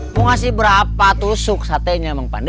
mau kasih berapa tusuk satenya pak rt